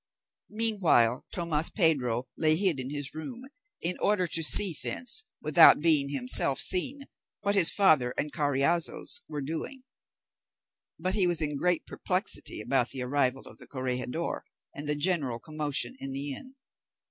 Meanwhile Tomas Pedro lay hid in his room, in order to see thence, without being himself seen, what his father and Carriazo's were doing; but he was in great perplexity about the arrival of the corregidor, and the general commotion in the inn.